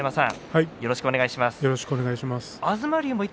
よろしくお願いします。